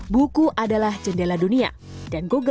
buku alat dan perangkat yang menyebar google